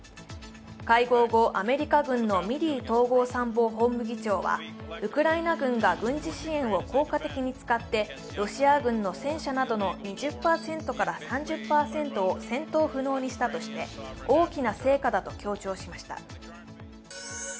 会合後、アメリカ軍のミリー統合参謀本部議長は、ウクライナ軍が軍事支援を効果的に使ってロシア軍の戦車などの２０％から３０％を戦闘不能にしたとして、大きな成果だと強調しました。